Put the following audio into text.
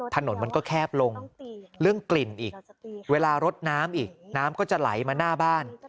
ถนนมันก็แคบลงเรื่องกลิ่นอีกเวลารดน้ำอีกน้ำก็จะไหลมาหน้าบ้าน